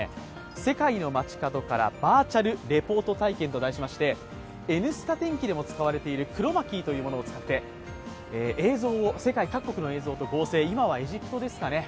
世界の街角からバーチャルレポート体験と題しまして、「Ｎスタ」天気でも使われているクロマキーを使って、映像を世界各国の映像と合成、今はエジプトですかね。